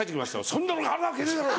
「そんなのがあるわけねえだろ！」。